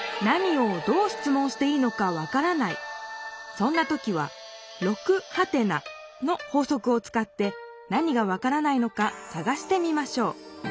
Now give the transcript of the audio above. そんな時は「６？」の法則をつかって何が分からないのかさがしてみましょう。